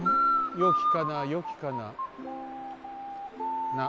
よきかなよきかなな。